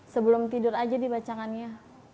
sebelum tidur aja dibacakannya